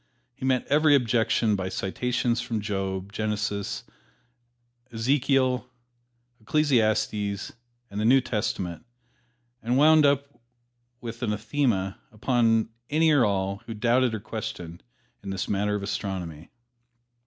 He met every objection by citations from Job, Genesis, Ezekiel, Ecclesiastes and the New Testament, and wound up with an anathema upon any or all who doubted or questioned in this matter of astronomy.